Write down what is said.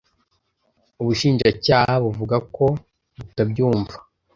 Ubushinjacyaha buvuga ko butabyumva